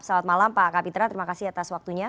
selamat malam pak kapitra terima kasih atas waktunya